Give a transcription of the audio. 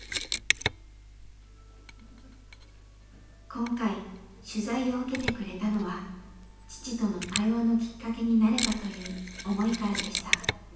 今回取材を受けてくれたのは父との対話のきっかけになればという思いからでした。